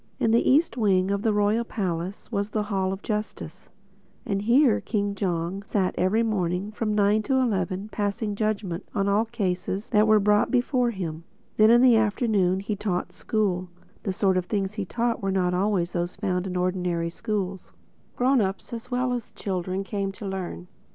In the east wing of the Royal Palace was the Hall of Justice. And here King Jong sat every morning from nine to eleven passing judgment on all cases that were brought before him. [Illustration: "Had to chase his butterflies with a crown upon his head"] Then in the afternoon he taught school. The sort of things he taught were not always those you find in ordinary schools. Grown ups as well as children came to learn.